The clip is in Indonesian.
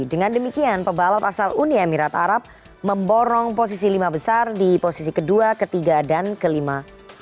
dengan demikian pebalap asal uni emirat arab memborong posisi lima besar di posisi kedua ketiga dan kelima